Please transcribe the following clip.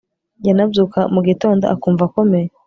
yanabyuka mu gitondo akumva akomeye